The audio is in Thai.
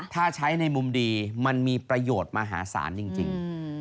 ถ้าใช้ในมุมดีมันมีประโยชน์มหาศาลจริง